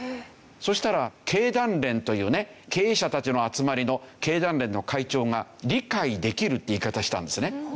そしたら経団連というね経営者たちの集まりの経団連の会長が理解できるって言い方したんですね。